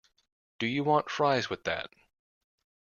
Do you want fries with that?